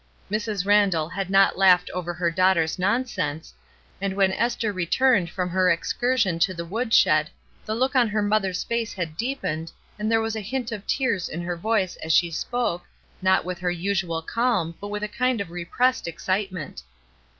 Mrs. Randall had not laughed over her daughter's nonsense, and when Esther returned from her excursion to the woodshed the look 326 ESTER RIED^S NAMESAKE on her mother's face had deepened and there was a hint of tears in her voice as she spoke, not with her usual calm, but with a kind of repressed excitement.